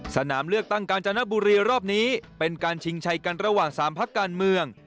สนามเลือกตั้งกาญจนบุรีรอบนี้เป็นการชิงชัยกันระหว่าง๓พักการเมือง